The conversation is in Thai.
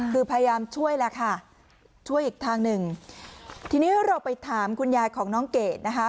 คือพยายามช่วยแล้วค่ะช่วยอีกทางหนึ่งทีนี้เราไปถามคุณยายของน้องเกดนะคะ